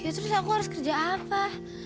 ya terus aku harus kerja apa